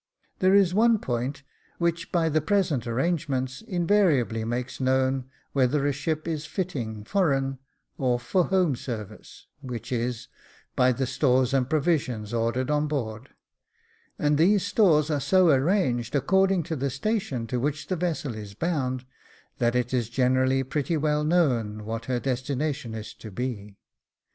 There is one point, which by the present arrangements invariably makes known whether a ship is " fitting foreign," or for home service, which is, by the stores and provisions ordered on board •, and these stores are so arranged, according to the station to which the vessel is bound, that it is generally pretty well known what her destination is to be.